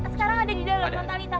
sekarang ada di dalam non talitha